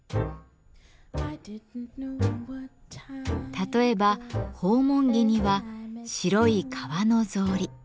例えば訪問着には白い革の草履。